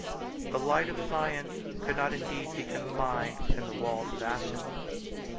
The light of science could not indeed be confined within the walls of Athens.